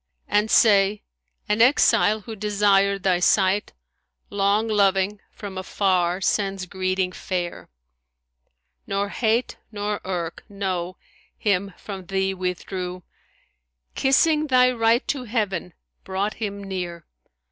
And say An exile who desired thy sight * Long loving, from afar sends greeting fair. Nor hate nor irk (No!) him from thee withdrew, * Kissing thy right to Heaven brought him near.